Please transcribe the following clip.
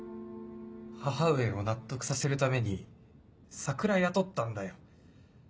母上を納得させるためにサクラ雇ったんだよ。